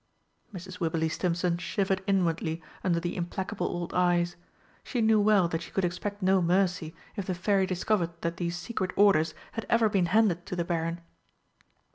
Mrs. Wibberley Stimpson shivered inwardly under the implacable old eyes; she knew well that she could expect no mercy if the Fairy discovered that these secret orders had ever been handed to the Baron.